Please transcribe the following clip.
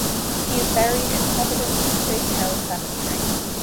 He is buried in Providence's Big Hill Cemetery.